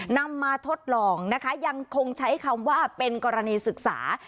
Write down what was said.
นำมาทดลองนะคะยังคงใช้คำว่าเป็นกรณีศึกษา